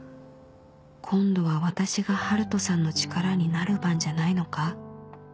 今度は私が春斗さんの力になる番じゃないのか？